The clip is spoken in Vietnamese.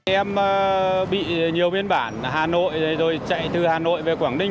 em bị nhiều biên bản hà nội rồi chạy từ hà nội về quảng ninh